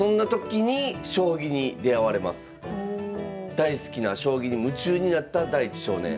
大好きな将棋に夢中になった大地少年。